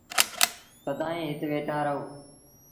سدائيٚݩ هت ويٚٺآ رهون ۔